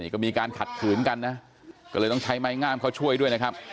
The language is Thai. ก็มีการขัดขืนกันนะก็เลยต้องใช้ไม้งามเขาช่วยด้วยนะครับ